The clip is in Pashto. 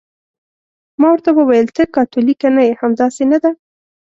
ما ورته وویل: ته کاتولیکه نه یې، همداسې نه ده؟